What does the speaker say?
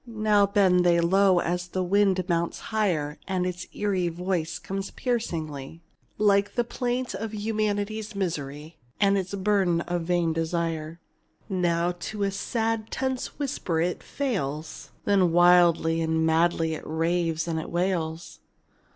Now bend they low as the wind mounts higher, And its eerie voice comes piercingly, Like the plaint of humanity's misery, And its burden of vain desire. Now to a sad, tense whisper it fails, Then wildly and madly it raves and it wails.